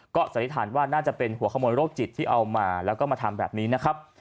ก็สันนิษฐานว่าน่าจะเป็นหัวขโมยโรคจิตที่เอามาแล้วก็มาทำแบบนี้นะครับ